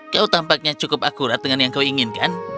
kau tampaknya cukup akurat dengan yang kau inginkan